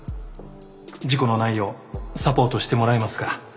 事故のないようサポートしてもらえますか？